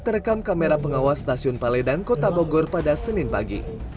terekam kamera pengawas stasiun paledang kota bogor pada senin pagi